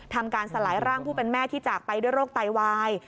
ทำการสลายร่างผู้เป็นแม่ที่จากไปด้วยโรคไตวาย